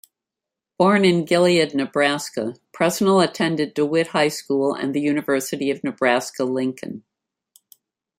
Born in Gilead, Nebraska, Presnell attended DeWitt High School and the University of Nebraska-Lincoln.